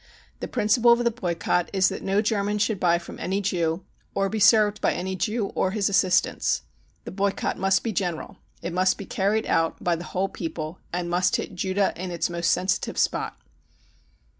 The principle of the boycott is that no German should buy from any Jew or be served by any Jew or his assistants. The boycott must be general. It must be carried out by the whole people and must hit Judah in its most sensitive spot.